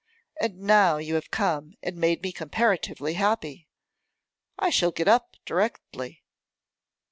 And now you have come and made me comparatively happy. I shall get up directly.